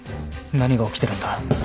何が起きてるんだ？